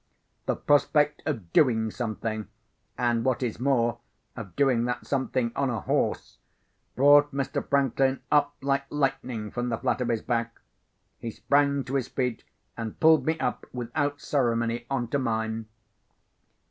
The prospect of doing something—and, what is more, of doing that something on a horse—brought Mr. Franklin up like lightning from the flat of his back. He sprang to his feet, and pulled me up, without ceremony, on to mine.